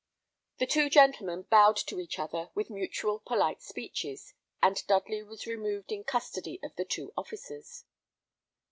The two gentlemen bowed to each other with mutual polite speeches, and Dudley was removed in custody of the two officers.